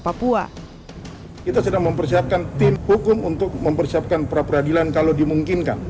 papua itu sedang mempersiapkan tim hukum untuk mempersiapkan pra peradilan kalau dimungkinkan